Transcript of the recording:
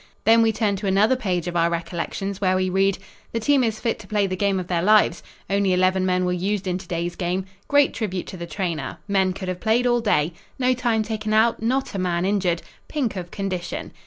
Then we turn to another page of our recollections where we read: "The team is fit to play the game of their lives." "Only eleven men were used in to day's game." "Great tribute to the trainer." "Men could have played all day" "no time taken out" "not a man injured" "pink of condition."